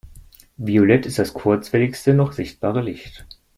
Violett ist das kurzwelligste noch sichtbare Licht.